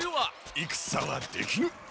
いくさはできぬ。